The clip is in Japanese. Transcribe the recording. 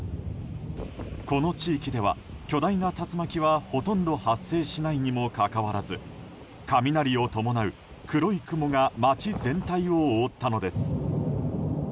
この地域では、巨大な竜巻はほとんど発生しないにもかかわらず雷を伴う黒い雲が街全体を覆ったのです。